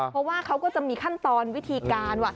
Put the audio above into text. เพราะว่าเขาก็จะมีขั้นตอนวิธีการว่า